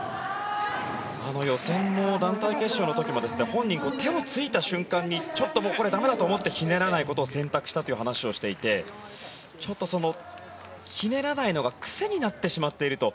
あの予選も団体決勝の時も本人、手をついた瞬間にちょっとこれはもう駄目だと思ってひねらないことを選択したという話をしていてひねらないのが癖になってしまっていると。